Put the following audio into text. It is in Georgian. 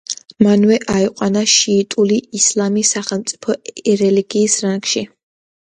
მანვე აიყვანა შიიტური ისლამი სახელმწიფო რელიგიის რანგში.